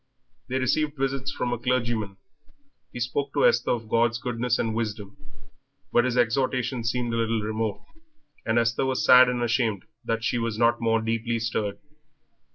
They received visits from a clergyman. He spoke to Esther of God's goodness and wisdom, but his exhortations seemed a little remote, and Esther was sad and ashamed that she was not more deeply stirred.